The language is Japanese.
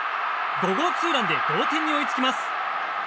５号ツーランで同点に追いつきます。